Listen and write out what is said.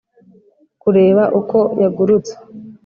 kureba uko yagurutse;